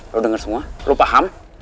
lo dengar semua lo paham